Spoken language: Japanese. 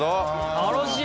楽しい！